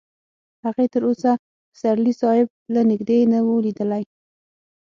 هغې تر اوسه پسرلي صاحب له نږدې نه و لیدلی